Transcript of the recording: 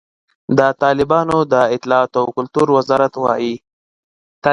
د طالبانو د اطلاعاتو او کلتور وزارت وایي،